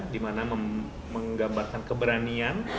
di mana menggambarkan keberanian